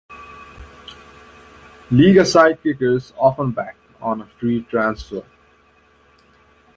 Liga side Kickers Offenbach on a free transfer.